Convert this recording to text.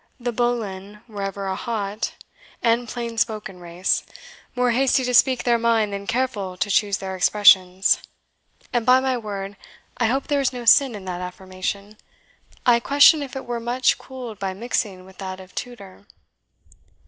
The Boleyns were ever a hot and plain spoken race, more hasty to speak their mind than careful to choose their expressions. And by my word I hope there is no sin in that affirmation I question if it were much cooled by mixing with that of Tudor."